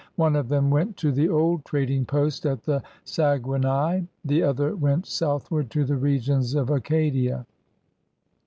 One of them went to the old trading post at the Saguenay; the other went southward to the regions of Acadia.